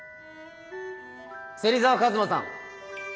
芹沢和馬さん！